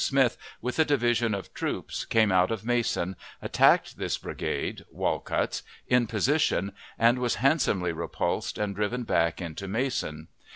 Smith, with a division of troops, came out of Mason, attacked this brigade (Walcutt's) in position, and was handsomely repulsed and driven back into Mason.